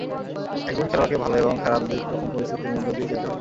একজন খেলোয়াড়কে ভালো এবং খারাপ দুই রকম পরিস্থিতির মধ্য দিয়েই যেতে হয়।